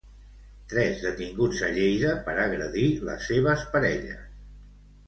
Tres detinguts a Lleida per agredir les seves parelles.